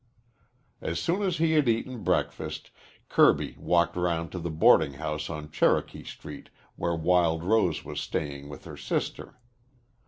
As soon as he had eaten breakfast, Kirby walked round to the boarding house on Cherokee Street where Wild Rose was staying with her sister.